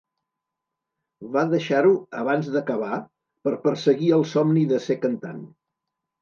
Va deixar-ho abans d'acabar per perseguir el somni de ser cantant.